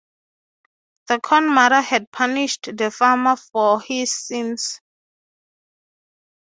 The Corn Mother had punished the farmer for his sins.